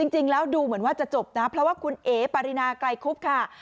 จริงแล้วดูเหมือนว่าจะจบนะเพราะว่าคุณเอ๋ปารินาไกลคุบค่ะ